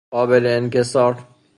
قابل انکسار